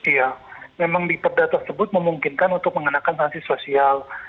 iya memang di perda tersebut memungkinkan untuk mengenakan sanksi sosial